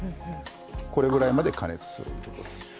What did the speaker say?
これぐらいまで加熱するということです。